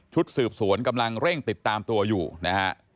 สืบสวนกำลังเร่งติดตามตัวอยู่นะฮะ